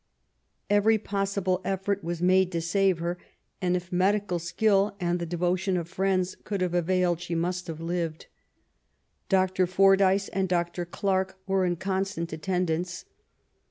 Every possible efibrt was made to save her; and if medical skill and the devotion of friends could have availed, she must have lived. Dr. Fordyce and Dr. Clarke were in constant attendance.